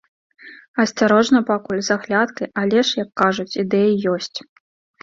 Асцярожна пакуль, з аглядкай, але ж, як кажуць, ідэя ёсць.